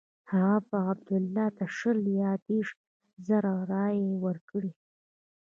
هغه به عبدالله ته شل یا دېرش زره رایې ورکړي.